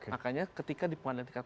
makanya ketika di pengadilan tingkat